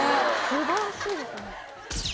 素晴らしいですね。